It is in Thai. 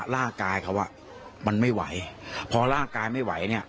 ร่างกายเขาอ่ะมันไม่ไหวพอร่างกายไม่ไหวเนี่ย